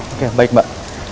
oke baik mbak